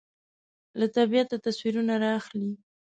له طبیعته تصویرونه رااخلي